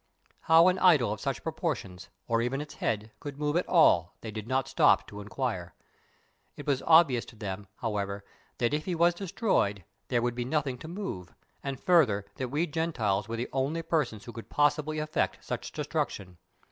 How an idol of such proportions, or even its head, could move at all they did not stop to inquire. It was obvious to them, however, that if he was destroyed there would be nothing to move and, further, that we Gentiles were the only persons who could possibly effect such destruction.